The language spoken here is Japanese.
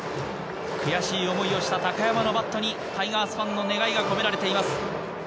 悔しい思いをした高山のバットにタイガースファンの願いが込められています。